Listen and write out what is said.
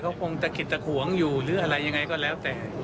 เขาคงตะขิดตะขวงอยู่หรืออะไรยังไงก็แล้วแต่